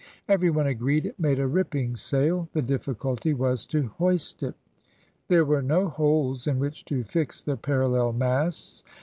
Every one agreed it made a ripping sail. The difficulty was to hoist it. There were no holes in which to fix the parallel masts.